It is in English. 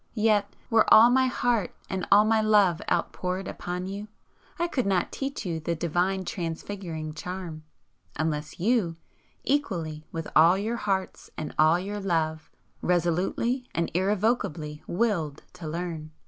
Yet, were all my heart and all my love outpoured upon you, I could not teach you the Divine transfiguring charm, unless you, equally with all your hearts and all your love, resolutely and irrevocably WILLED to learn.